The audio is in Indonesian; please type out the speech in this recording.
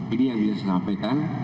ini yang bisa disampaikan